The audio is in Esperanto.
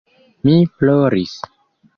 Mi ploris.